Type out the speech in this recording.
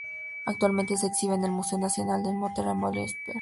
Actualmente se exhibe en el Museo Nacional del Motor en Beaulieu, Hampshire.